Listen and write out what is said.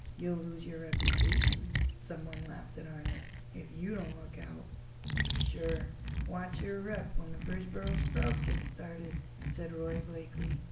"You'll lose your reputation," someone laughed at Arnold, "if you don't look out." "Sure, watch your rep when the Bridgeboro Sprouts get started," said Roy Blakeley.